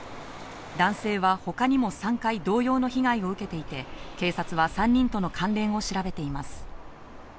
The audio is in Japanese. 男性は他にも３回、同様の被害を受けていて、警察は３人との関連を調べています。